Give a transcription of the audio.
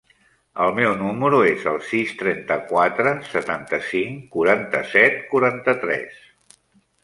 El meu número es el sis, trenta-quatre, setanta-cinc, quaranta-set, quaranta-tres.